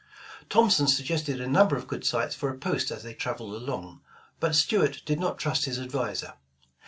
Thompson suggested a number of good sites for a post as they traveled along, but Stuart did not trust his adviser.